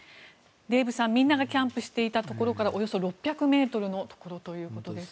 デーブさん、みんながキャンプしていたところからおよそ６００ｍの場所ということです。